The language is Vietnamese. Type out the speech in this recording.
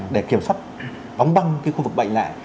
để kiểm soát bóng băng cái khu vực bệnh lại